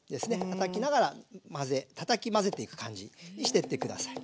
たたきながら混ぜたたき混ぜていく感じにしてって下さい。